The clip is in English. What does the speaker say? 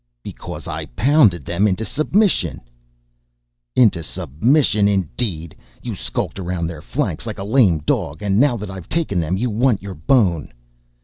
"Because I pounded them into submission." "Into submission, indeed! You skulked around their flanks like a lame dog, and now that I've taken them, you want your bone!"